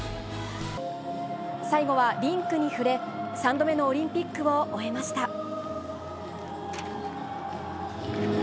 最後はリンクに触れ３度目のオリンピックを終えました。